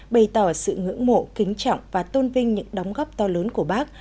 bày tỏ sự ngưỡng mộ kính trọng và tôn vinh những đóng góp to lớn của bác